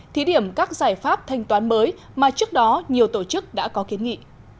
thí điểm các giải pháp thanh toán mới mà trước đó nhiều tổ chức đã có kiến nghị